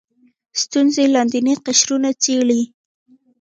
ستونزې لاندیني قشرونه څېړي